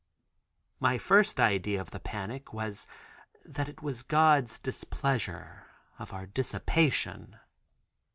My first idea of the panic was that it was God's displeasure of our dissipation.